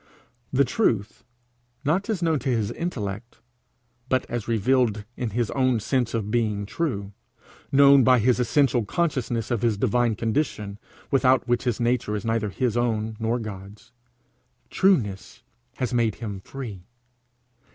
The truth not as known to his intellect, but as revealed in his own sense of being true, known by his essential consciousness of his divine condition, without which his nature is neither his own nor God's trueness has made him free.